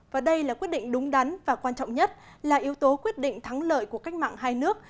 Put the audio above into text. và đây là quyết định đúng đắn và quan trọng nhất là yếu tố quyết định thắng lợi của cách mạng hai nước